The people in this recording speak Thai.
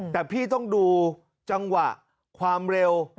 แต่พี่ต้องดูจังหวะความเร็ว